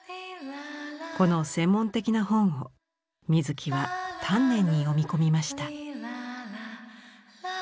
この専門的な本を水木は丹念に読み込みました。